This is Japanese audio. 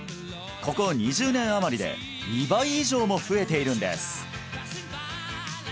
ここ２０年余りで２倍以上も増えているんです